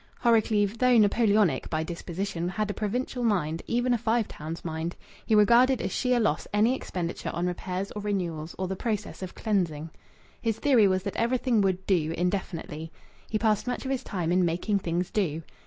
Horrocleave, though Napoleonic by disposition, had a provincial mind, even a Five Towns mind. He regarded as sheer loss any expenditure on repairs or renewals or the processes of cleansing. His theory was that everything would "do" indefinitely. He passed much of his time in making things "do."